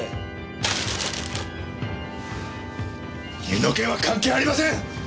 犬の件は関係ありません！